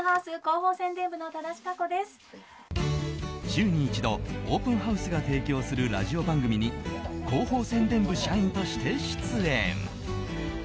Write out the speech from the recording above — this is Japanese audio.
週に一度オープンハウスが提供するラジオ番組に広報宣伝部社員として出演。